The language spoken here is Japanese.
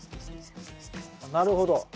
なるほど。